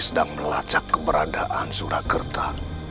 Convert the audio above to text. sedang melacak keberadaan surakerta